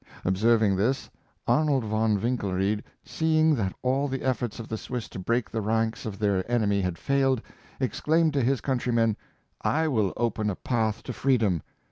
Observing this, Arnold von Winkelried, seeing that all the efforts of the Swiss to break the ranks of their enemy had failed, exclaim ed to his countrymen, " I will open a path to freedom!